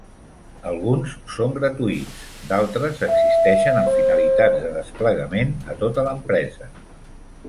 Alguns són gratuïts; d'altres existeixen amb finalitats de desplegament a tota l'empresa.